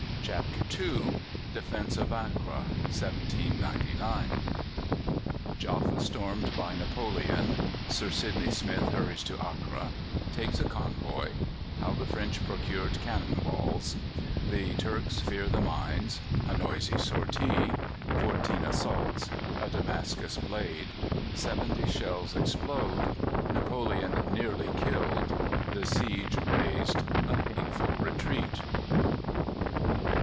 CHAPTER II DEFENCE OF ACRE (1799) Jaffa stormed by Napoleon Sir Sidney Smith hurries to Acre Takes a convoy How the French procured cannon balls The Turks fear the mines A noisy sortie Fourteen assaults A Damascus blade Seventy shells explode Napoleon nearly killed The siege raised A painful retreat.